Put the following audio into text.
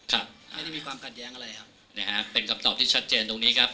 ครับไม่ได้มีความขัดแย้งอะไรครับนะฮะเป็นคำตอบที่ชัดเจนตรงนี้ครับ